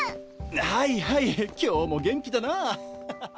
はいはい今日も元気だなあ。ハハハ。